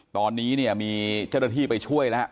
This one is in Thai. ตอนนี้เนี่ยมีเจ้าหน้าที่ไปช่วยแล้ว